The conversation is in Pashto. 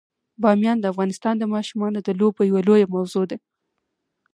بامیان د افغانستان د ماشومانو د لوبو یوه لویه موضوع ده.